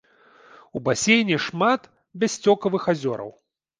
У басейне шмат бяссцёкавых азёраў.